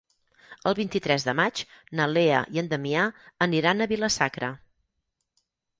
El vint-i-tres de maig na Lea i en Damià aniran a Vila-sacra.